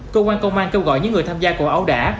cơ quan công an kêu gọi những người tham gia của ấu đả